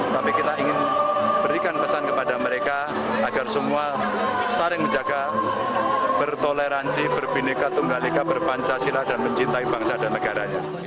tapi kita ingin berikan pesan kepada mereka agar semua saling menjaga bertoleransi berbineka tunggal ika berpancasila dan mencintai bangsa dan negaranya